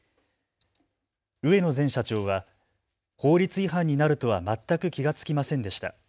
植野前社長は法律違反になるとは全く気が付きませんでした。